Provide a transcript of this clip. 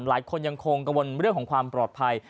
หลายคนยังคงกังวลเรื่องของความปลอดภัย